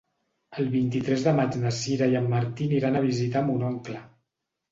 El vint-i-tres de maig na Sira i en Martí aniran a visitar mon oncle.